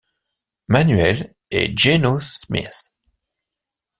Manuel et Geno Smith.